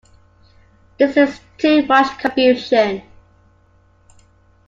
This leads to much confusion.